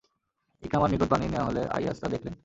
ইকরামার নিকট পানি নেয়া হলে আইয়াস তা দেখলেন।